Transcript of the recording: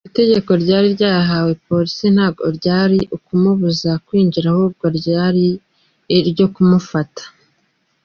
Itegeko ryari ryahawe polisi ntabwo ryari ukumubuza kwinjira ahubwo ryari iro kumufata.